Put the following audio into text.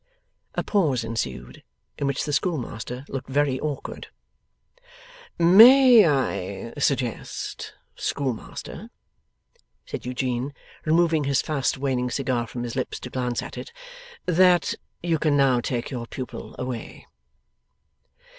A pause ensued, in which the schoolmaster looked very awkward. 'May I suggest, Schoolmaster,' said Eugene, removing his fast waning cigar from his lips to glance at it, 'that you can now take your pupil away.